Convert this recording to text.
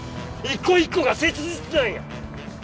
一個一個が切実なんや！